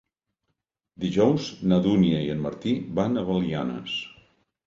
Dijous na Dúnia i en Martí van a Belianes.